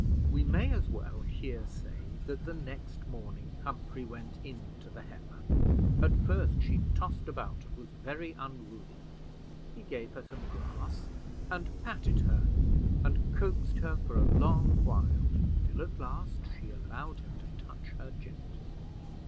We may as well here say, that the next morning Humphrey went in to the heifer. At first she tossed about, and was very unruly. He gave her some grass, and patted her and coaxed her for a long while, till at last she allowed him to touch her gently.